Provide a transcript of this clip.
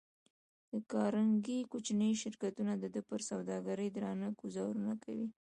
د کارنګي کوچني شرکتونه د ده پر سوداګرۍ درانه ګوزارونه کوي.